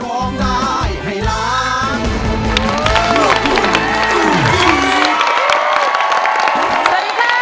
สวัสดีค่ะ